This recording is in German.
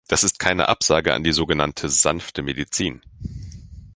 Das ist keine Absage an die sogenannte sanfte Medizin.